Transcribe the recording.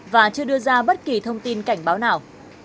và chưa đưa ra bất kỳ thông tin cảnh báo nào